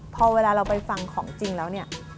พอเวลาเราไปฟังของจริงแล้วเนี่ย